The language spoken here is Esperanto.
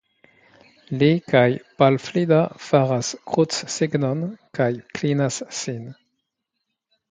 Li kaj Pal Flida faras krucsignon kaj klinas sin.